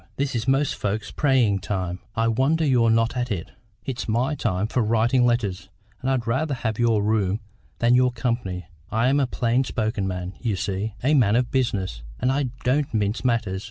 This is most folks' praying time; I wonder you're not at it. It's my time for writing letters, and I'd rather have your room than your company. I'm a plain spoken man, you see, a man of business, and I don't mince matters.